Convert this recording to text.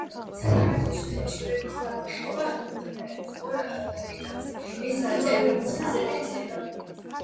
სასამართლოში საჩივრების განხილვა მიმდინარეობს ორ ეტაპად: ესაა წერილობითი და ზეპირი ეტაპები.